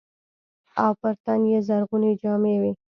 او پر تن يې زرغونې جامې وې.